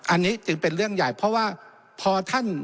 อันนี้จึงเป็นเรื่องใหญ่เพราะว่าพอท่าน